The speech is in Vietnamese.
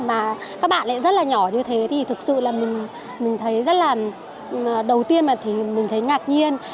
mà các bạn lại rất là nhỏ như thế thì thực sự là mình thấy rất là đầu tiên mà mình thấy ngạc nhiên